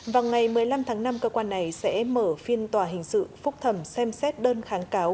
vào ngày một mươi năm tháng năm cơ quan này sẽ mở phiên tòa hình sự phúc thẩm xem xét đơn kháng cáo